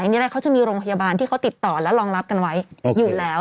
๊ก็อย่างเงี่ยแรกเขาจะมีโรงพยาบาลที่เขาติดต่อและรองรับกันไว้อยู่แล้ว